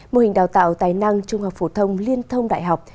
mô hình đào tạo tài năng trung học phổ thông liên thông đại học